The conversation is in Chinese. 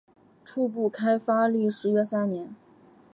初步开发历时约三年。